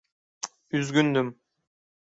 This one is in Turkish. Üzgündüm.